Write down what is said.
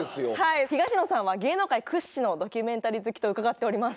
東野さんは芸能界屈指のドキュメンタリー好きと伺っております。